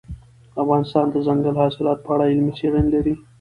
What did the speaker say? افغانستان د دځنګل حاصلات په اړه علمي څېړنې لري.